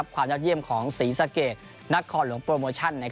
ความยอดเยี่ยมของศรีสะเกดนครหลวงโปรโมชั่น